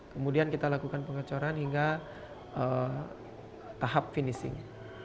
kemudian kita lakukan pengecoran hingga tahap finishing